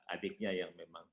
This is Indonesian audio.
adiknya yang memang